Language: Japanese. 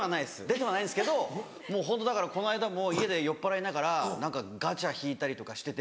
出てはないんですけどもうホントだからこの間も家で酔っぱらいながら何かガチャ引いたりとかしてて。